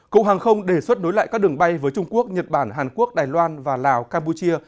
cục hàng không đề xuất nối lại các đường bay với trung quốc nhật bản hàn quốc đài loan và lào campuchia